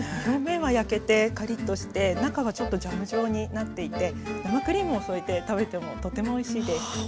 表面は焼けてカリッとして中はちょっとジャム状になっていて生クリームを添えて食べてもとてもおいしいです。